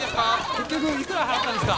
結局いくら払ったんですか？